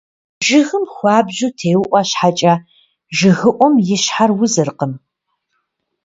Жыгым хуабжьу теуIуэ щхьэкIэ, жыгыуIум и щхьэр узыркъым.